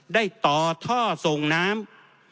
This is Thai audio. ได้ต่อท่อส่งน้ำ